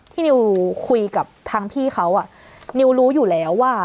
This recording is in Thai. นิวคุยกับทางพี่เขานิวรู้อยู่แล้วว่า